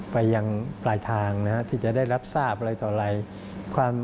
ไปยังปลายทางนะครับที่จะได้รับทราบอะไรต่อไหร่